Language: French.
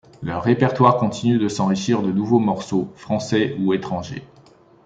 Leur répertoire continue de s'enrichir de nouveaux morceaux, français ou étrangers.